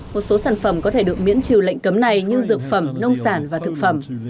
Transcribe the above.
một số sản phẩm có thể được miễn trừ lệnh cấm này như dược phẩm nông sản và thực phẩm